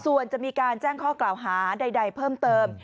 ส่วนจะมีการแจ้งข้อกล่าวหาใดเพิ่มเติม